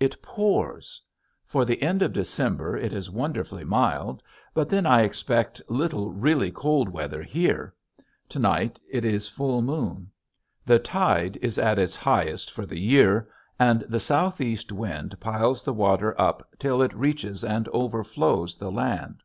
It pours. For the end of December it is wonderfully mild; but then I expect little really cold weather here. To night it is full moon. The tide is at its highest for the year and the southeast wind piles the water up till it reaches and overflows the land.